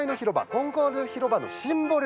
コンコルド広場のシンボル。